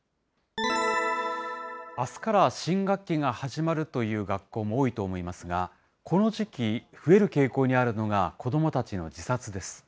あすから新学期が始まるという学校も多いと思いますが、この時期、増える傾向にあるのが、子どもたちの自殺です。